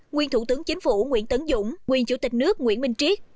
nguyên thủ tướng chính phủ nguyễn tấn dũng nguyên chủ tịch nước nguyễn minh triết